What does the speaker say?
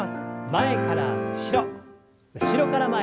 前から後ろ後ろから前に。